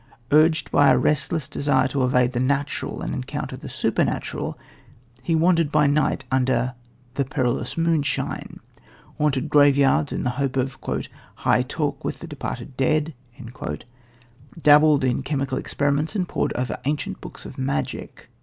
Urged by a restless desire to evade the natural and encounter the supernatural, he wandered by night under the "perilous moonshine," haunted graveyards in the hope of "high talk with the departed dead," dabbled in chemical experiments and pored over ancient books of magic.